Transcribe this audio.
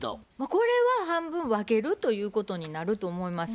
これは半分分けるということになると思います。